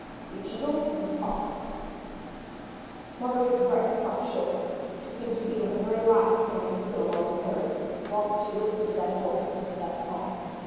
THE EAGLE AND THE FOX Marguerite's breath stopped short; she seemed to feel her very life standing still momentarily whilst she listened to that voice and to that song.